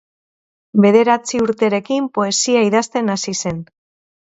Bederatzi urterekin poesia idazten hasi zen.